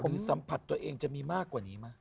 สัมผัสตัวเองจะมีมากกว่านี้ไหม